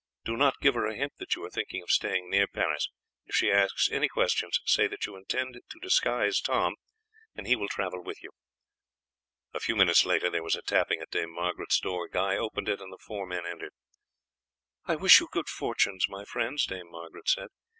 Do not give her a hint that you are thinking of staying near Paris; if she asks any questions say that you intend to disguise Tom, and he will travel with you." A few minutes later there was a tapping at Dame Margaret's door; Guy opened it and the four men entered. "I wish you good fortunes, my friends," Dame Margaret said.